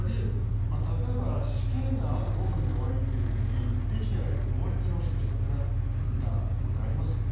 例えば、試験があと５分で終わりという時にできていないと猛烈におしっこしたくなることありますよね。